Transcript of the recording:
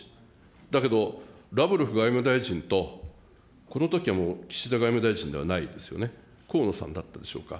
だけどラブロフ外務大臣と、このときはもう岸田外務大臣ではないですよね、河野さんだったでしょうか。